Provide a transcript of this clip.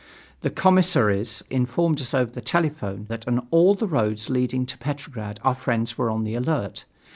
The commissaries informed us over the telephone that on all the roads leading to Petrograd our friends were on the alert.